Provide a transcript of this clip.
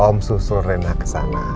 om susur rena kesana